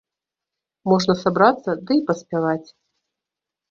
Можна сабрацца ды і паспяваць.